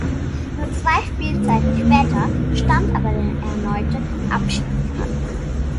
Nur zwei Spielzeiten später stand aber der erneute Abstieg an.